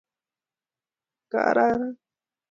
kararan eng chametap kei